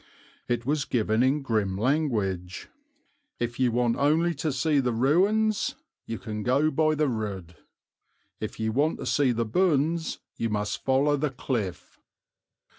It was given in grim language. "If you want only to see the ruins you can go by the road; if you want to see the bones you must follow the cliff."